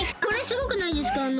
これすごくないですか？